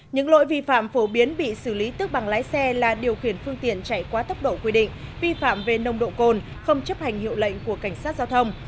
những lỗi vi phạm phổ biến bị xử lý tước bằng lái xe là điều khiển phương tiện chạy quá tốc độ quy định vi phạm về nồng độ cồn không chấp hành hiệu lệnh của cảnh sát giao thông